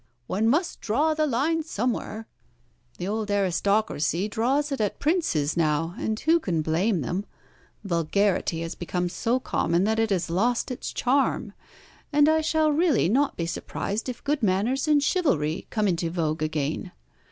'One must draw the line somewhere.' The old aristocracy draws it at Princes now, and who can blame them? Vulgarity has become so common that it has lost its charm, and I shall really not be surprised if good manners and chivalry come into vogue again.